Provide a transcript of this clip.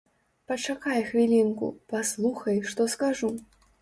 Пачакай хвілінку, паслухай, што скажу.